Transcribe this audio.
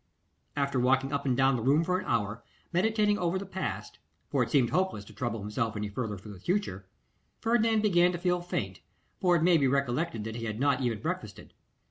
After walking up and down the room for an hour, meditating over the past, for it seemed hopeless to trouble himself any further with the future, Ferdinand began to feel faint, for it may be recollected that he had not even breakfasted.